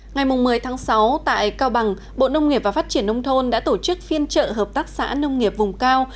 ngày một mươi tháng sáu tại cao bằng bộ nông nghiệp và phát triển nông thôn đã tổ chức phiên trợ hợp tác xã nông nghiệp vùng cao